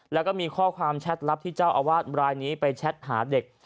แล้วก็มีข้อความแชทลับที่เจ้าอาวาสรายนี้ไปแชทหาเด็ก